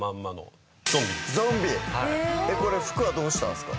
これ服はどうしたんですか？